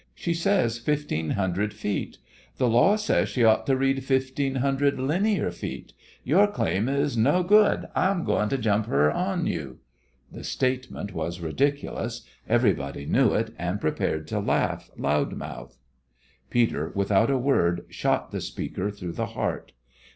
She says 'fifteen hundred feet'; the law says she ought t' read 'fifteen hundred linear feet.' Your claim is n.g. I'm goin' t' jump her on you." The statement was ridiculous; everybody knew it, and prepared to laugh, loud mouthed. Peter, without a word, shot the speaker through the heart.